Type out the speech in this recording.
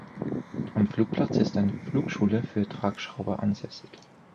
Am Flugplatz ist eine Flugschule für Tragschrauber ansässig.